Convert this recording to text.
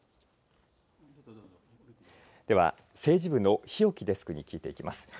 では、政治部の日置デスクに聞いていきます。